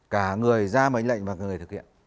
cả người ra mệnh lệnh và người thực hiện